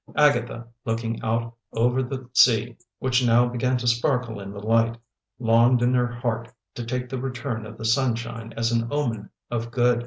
Agatha, looking out over the sea, which now began to sparkle in the light, longed in her heart to take the return of the sunshine as an omen of good.